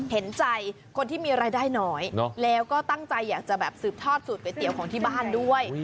เห็นใจคนที่มีรายได้น้อยแล้วก็ตั้งใจอยากจะแบบสืบทอดสูตรก๋วยเตี๋ยวของที่บ้านด้วย